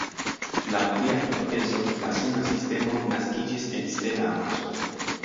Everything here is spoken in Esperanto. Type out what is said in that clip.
Laŭ tria hipotezo la Suna sistemo naskiĝis en stela amaso.